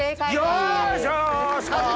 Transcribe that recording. よいしょ！